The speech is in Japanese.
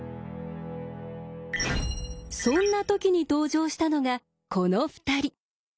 そんなときに登場したのがこの２人。